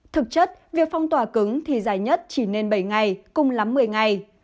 thực chất việc phong tỏa cứng thì dài nhất chỉ nên bảy ngày cùng lắm một mươi ngày